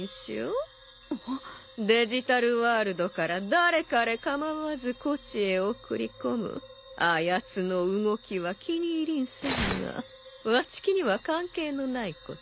デジタルワールドから誰彼構わずこちへ送り込むあやつの動きは気に入りんせんがわちきには関係のないこと。